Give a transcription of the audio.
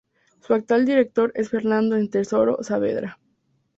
Su actual director es Fernando Estenssoro Saavedra.